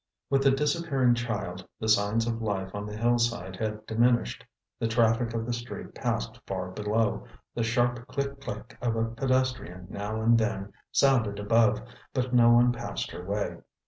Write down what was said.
With the disappearing child, the signs of life on the hillside had diminished. The traffic of the street passed far below, the sharp click click of a pedestrian now and then sounded above, but no one passed her way.